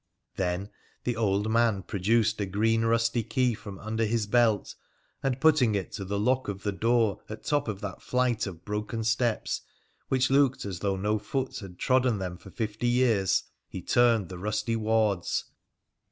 Then the old man produced a green rusty key from under his belt, and putting it to the lock of the door at top of that flight of broken steps, which looked as though no foot had trodden them for fifty years, he turned the rusty wards.